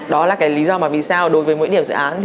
đó là cái lý do mà vì sao đối với mỗi điểm dự án